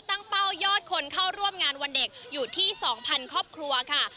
เป้ายอดคนเข้าร่วมงานวันเด็กอยู่ที่๒๐๐ครอบครัวค่ะ